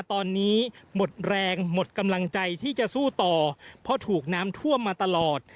ตอนนี้หมดแรงหมดกำลังใจที่จะสู้ต่อเพราะถูกน้ำท่วมมาตลอด